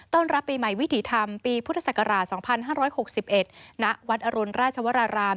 รับปีใหม่วิถีธรรมปีพุทธศักราช๒๕๖๑ณวัดอรุณราชวราราม